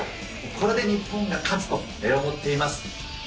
これで日本が勝つと思っています。